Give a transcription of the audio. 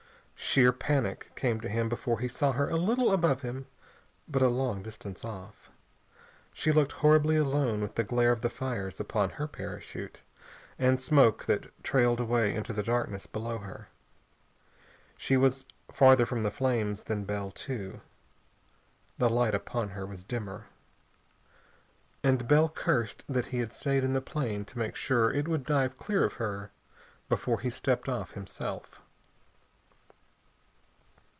Sheer panic came to him before he saw her a little above him but a long distance off. She looked horribly alone with the glare of the fires upon her parachute, and smoke that trailed away into darkness below her. She was farther from the flames than Bell, too. The light upon her was dimmer. And Bell cursed that he had stayed in the plane to make sure it would dive clear of her before he stepped off himself.